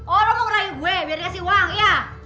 orang mau ngerahi gue biar dikasih uang iya